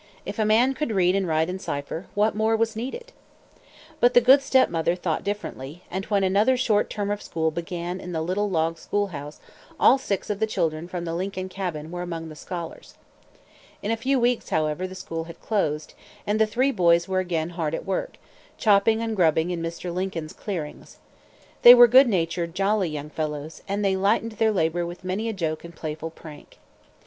If a man could read and write and cipher, what more was needed? But the good step mother thought differently; and when another short term of school began in the little log school house, all six of the children from the Lincoln cabin were among the scholars. In a few weeks, however, the school had closed; and the three boys were again hard at work, chopping and grubbing in Mr. Lincoln's clearings. They were good natured, jolly young fellows, and they lightened their labor with many a joke and playful prank.